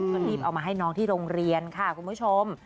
ก็รีบเอามาให้น้องที่โรงเรียนค่ะคุณผู้ชม